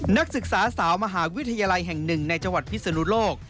นักศึกษาสาวมหาวิทยาลัยแห่งหนึ่งในจังหวัดพิศนุโลก